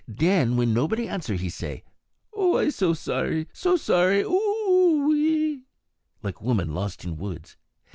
Denn, wen nobody answer, he say, O I so sorry, so sorry! Ooooo eee! like woman lost in woods.